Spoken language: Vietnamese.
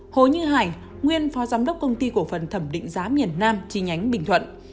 bốn hồ như hải nguyên phó giám đốc công ty cổ phần thẩm định giá miền nam chi nhánh bình thuận